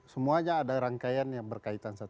semuanya ada rangkaian yang berkaitan satu sama lain